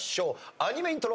アニメイントロ。